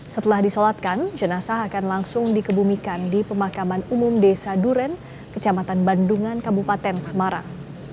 setelah disolatkan jenazah akan langsung dikebumikan di pemakaman umum desa duren kecamatan bandungan kabupaten semarang